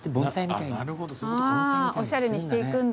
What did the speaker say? おしゃれにしていくんだ。